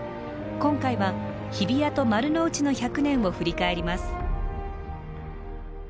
今回は日比谷と丸の内の１００年を振り返ります。